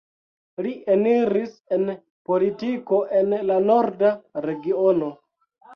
Li eniris en politiko en la Norda Regiono.